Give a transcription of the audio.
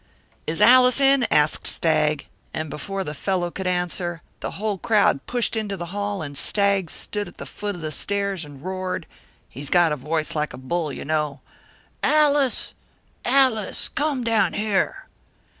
"'Is Allis in?' asked Stagg, and before the fellow could answer, the whole crowd pushed into the hall, and Stagg stood at the foot of the stairs and roared he's got a voice like a bull, you know 'Allis, Allis, come down here!'